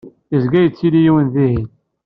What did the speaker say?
Yezga yettili yiwen dihin.